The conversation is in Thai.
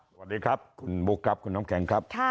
สวัสดีครับคุณบุ๊คครับคุณน้ำแข็งครับ